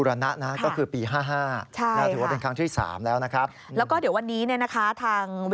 ทางวิศวกรรมสำหรับประอาจารย์